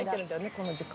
この時間。